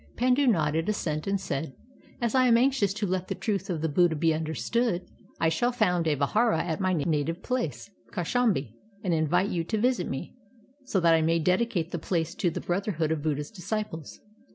Pandu nodded assent and said: "As I am anxious to let the truth of the Buddha be understood, I shall foimd a I'ihdra at my native place, Kaushambi, and in\ite you to \dsit me, so that I may dedicate the place to the brotherhood of Buddha's disciples."